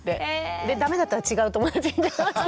でダメだったら違う友達に電話して。